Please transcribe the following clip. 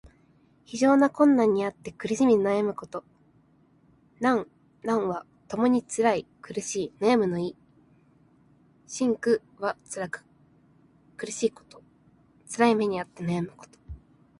非常な困難にあって苦しみ悩むこと。「艱」「難」はともにつらい、苦しい、悩むの意。「辛苦」はつらく苦しいこと。つらい目にあって悩むこと。